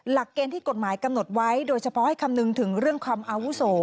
หลักเกณฑ์ที่กฎหมายกำหนดไว้โดยเฉพาะให้คำนึงถึงเรื่องความอาวุโส